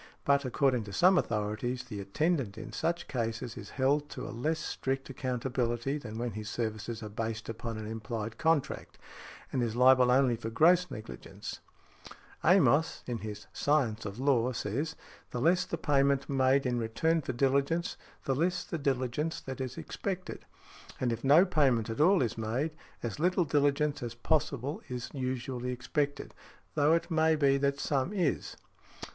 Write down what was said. But, according to some authorities, the attendant in such cases is held to a less strict accountability than when his services are based upon an implied contract, and is liable only for gross negligence . Amos, in his "Science of Law," says, "The less the payment made in return for diligence, the less the diligence that is expected; and if no payment at all is made, as little diligence as possible is |66| usually expected, though it may be that some is."